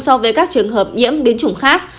so với các trường hợp nhiễm biến chủng khác